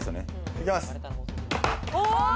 行きます。